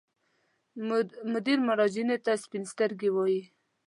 مدیر مراجعینو ته سپین سترګي وایي.